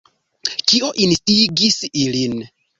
Kio instigis ilin?